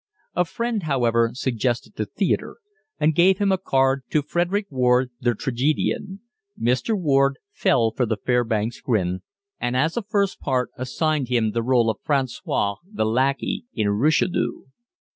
A friend, however, suggested the theatre, and gave him a card to Frederick Warde, the tragedian. Mr. Warde fell for the Fairbanks grin, and as a first part assigned him the role of François, the lackey, in "Richelieu."